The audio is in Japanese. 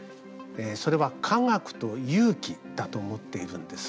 それは科学と勇気だと思っているんです。